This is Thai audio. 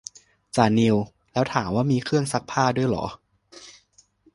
จ่านิว แล้วถามว่ามีเครื่องซักผ้าด้วยเหรอ